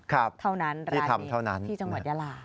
ครับที่ทำเท่านั้นที่จังหวัดยาลา